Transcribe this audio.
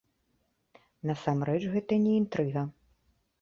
Насамрэч гэта не інтрыга.